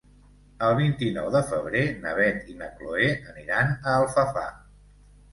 El vint-i-nou de febrer na Beth i na Chloé aniran a Alfafar.